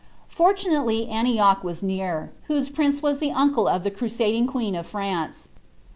rusaaU ly Aniioch was near, whose prince was the uncle of the en , •iiiag, quMD of France.